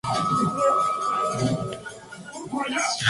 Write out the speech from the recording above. Su abuelo la inscribió a la Escuela de Gimnasia No.